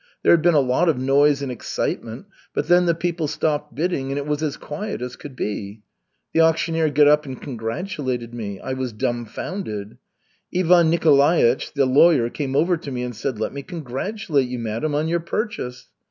There had been a lot of noise and excitement, but then the people stopped bidding, and it was as quiet as could be. The auctioneer got up and congratulated me. I was dumfounded. Ivan Nikolaich, the lawyer, came over to me and said: 'Let me congratulate you, madam, on your purchase.'